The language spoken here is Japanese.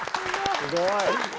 すごい。